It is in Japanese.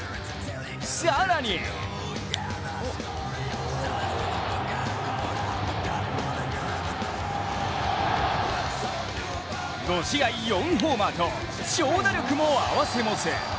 更に５試合４ホーマーと、長打力も併せ持つ。